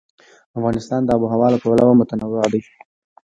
افغانستان د آب وهوا له پلوه متنوع دی.